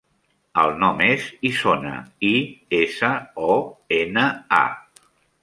El nom és Isona: i, essa, o, ena, a.